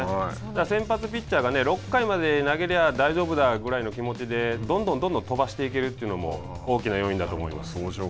先発ピッチャーが６回まで投げれば大丈夫だぐらいの気持ちでどんどん飛ばしていけるというのも大きな要因だと思います。